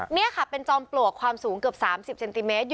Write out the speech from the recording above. นี่ค่ะเป็นจอมปลวกความสูงเกือบ๓๐เซนติเมตร